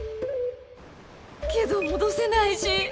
けど戻せないし。